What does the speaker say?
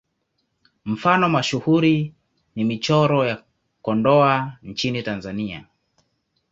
Mfano mashuhuri ni Michoro ya Kondoa nchini Tanzania.